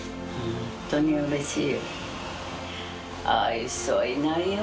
本当にうれしい。